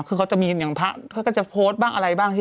คือเขาจะมีอย่างพระเขาก็จะโพสต์บ้างอะไรบ้าง